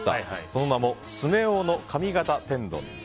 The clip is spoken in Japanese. その名もスネ夫の髪形天丼。